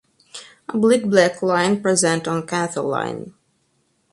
Oblique black line present on canthal line.